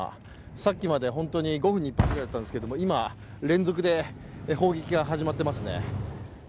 さっきまで本当に５分に１発ぐらいだったんですけれども、今、連続で砲撃が始まっていますね。